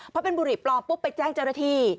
เพราะเป็นบุหรี่ปลอมปุ๊บไปแจ้งเจ้าหน้าที่